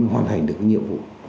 hoàn thành được nhiệm vụ